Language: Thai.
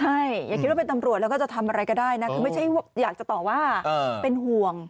ใช่อย่าคิดว่าเป็นตำรวจแล้วก็จะทำอะไรก็ได้นะคือไม่ใช่อยากจะต่อว่าเป็นห่วง